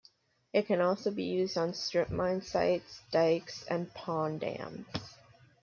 It can also be used on strip mine sites, dikes, and pond dams.